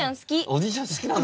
おじいちゃん好きなの？